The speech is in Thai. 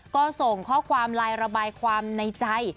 ก็ส่งข้อความไลน์ระบายความในใจ